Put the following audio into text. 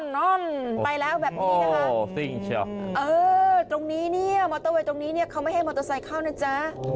น่อมไปแล้วแบบนี้นะคะตรงนี้เนี่ยมอเตอร์เวย์ตรงนี้เนี่ยเขาไม่ให้มอเตอร์ไซค์เข้านะจ๊ะ